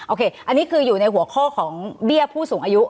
โอเคอันนี้คืออยู่ในหัวข้อของเบี้ยผู้สูงอายุ